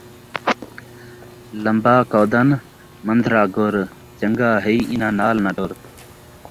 لمبا کودن ، من٘دھرا گُر ، چن٘ڳا ہئی انہاں نال ناں ٹر